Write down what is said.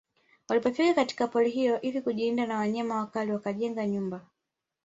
Walipofika katika pori hilo ili kujilinda na wanyama wakali wakajenga nyumba